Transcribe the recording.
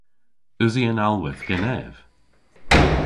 Usi an alhwedh genev?